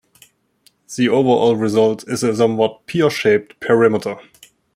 The overall result is a somewhat pear-shaped perimeter.